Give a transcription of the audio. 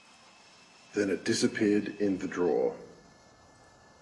Then it disappeared in the drawer.